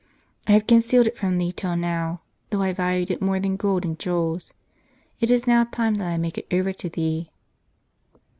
I have concealed it from thee till now, though I valued it more than gold and jewels. It is now time that I make it over to thee."